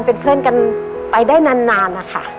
เป็นเพื่อนกันไปได้นานนะคะ